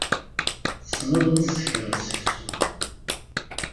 Tessneḍ ad tsekreḍ seksu.